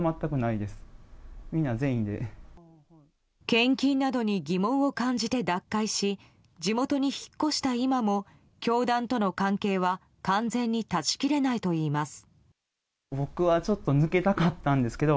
献金などに疑問を感じて脱会し地元に引っ越した今も教団との関係は完全に断ち切れないといいます。